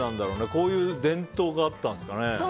こういう伝統があったんですかね。